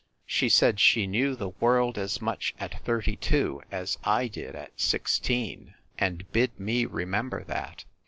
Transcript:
She said, She knew the world as much at thirty two, as I did at sixteen; and bid me remember that.